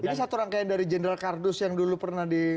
ini satu rangkaian dari jenderal kardus yang dulu pernah di